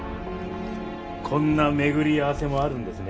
こんな巡り合わせもあるんですね。